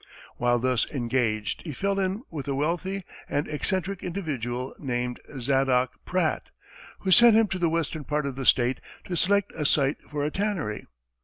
While thus engaged, he fell in with a wealthy and eccentric individual named Zadock Pratt, who sent him to the western part of the state to select a site for a tannery.